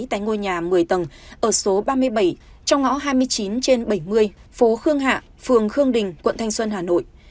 tại ngôi nhà một mươi tầng ở số ba mươi bảy trong ngõ hai mươi chín trên bảy mươi phố khương hạ phường khương đình quận thanh xuân hà nội